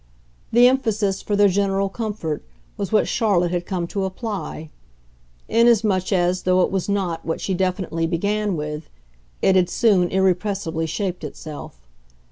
The emphasis, for their general comfort, was what Charlotte had come to apply; inasmuch as, though it was not what she definitely began with, it had soon irrepressibly shaped itself.